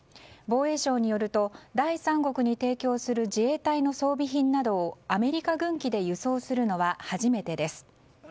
防衛省によると第三国に提供する自衛隊の装備品などをアメリカ軍機で輸送するのは初めてです。